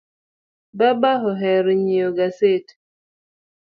Baba ohero nyieo gaset